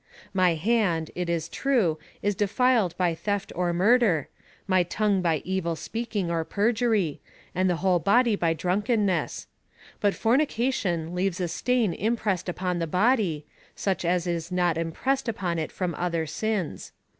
My hand, it is true, is defiled by theft or mur der, my tongue by evil speaking, or perjury,^ and the whole body by drunkenness ; but fornication leaves a stain im pressed upon the body, such as is not impressed upon it from other sins.